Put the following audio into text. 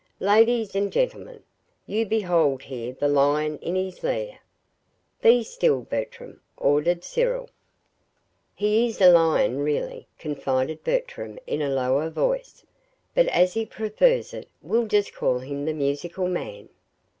"Ladies and gentlemen; you behold here the lion in his lair." "Be still, Bertram," ordered Cyril. "He is a lion, really," confided Bertram, in a lower voice; "but as he prefers it, we'll just call him 'the Musical Man.'"